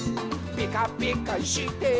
「ピカピカしてるよ」